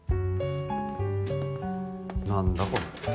何だこれ。